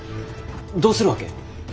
どうするわけ？